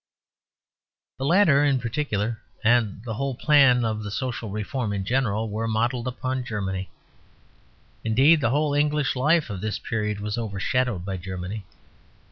The latter in particular, and the whole plan of the social reform in general, were modelled upon Germany. Indeed the whole English life of this period was overshadowed by Germany.